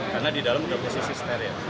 karena di dalam sudah posisi stereo